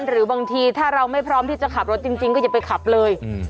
หรือบางทีถ้าเราไม่พร้อมที่จะขับรถจริงก็อย่าไปขับเลย